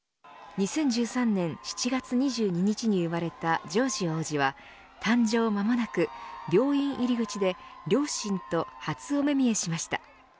２０１３年７月２２日に生まれたジョージ王子は誕生間もなく病院入り口で両親と初お目見えしました。